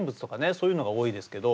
そういうのが多いですけど。